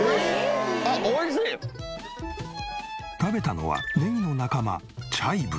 食べたのはネギの仲間チャイブ。